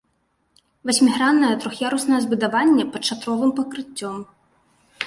Васьміграннае трох'яруснае збудаванне пад шатровым пакрыццём.